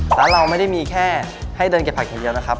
แล้วเราไม่ได้มีแค่ให้เดินเก็บผักอย่างเดียวนะครับ